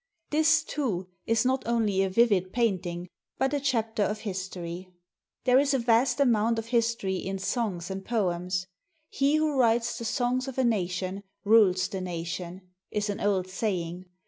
This, too, is not only a vivid painting, but a chapter of history. There is a vast amount of history in songs and poems. "He who writes the songs of a nation rules the na tion" is an old saying.